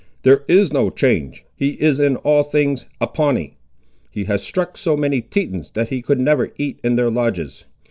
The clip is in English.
There is no change. He is in all things a Pawnee. He has struck so many Tetons that he could never eat in their lodges.